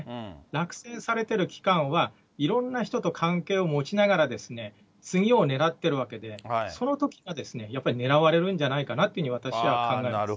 落選されてる期間は、いろんな人と関係を持ちながら、次をねらってるわけであって、そのときがやっぱりねらわれるんじゃないかなと私は考えます。